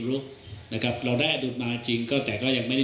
ส่วนการขาดสารรัฐอยู่เย็นที่ติดโทษแบรนด์ยอมรับว่า